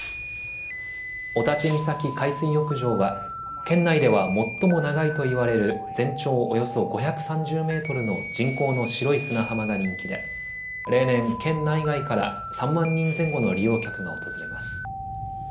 御立岬海水浴場は県内では最も長いといわれる全長およそ５３０メートルの人工の白い砂浜が人気で例年、県内外から３万人前後の利用客が訪れます。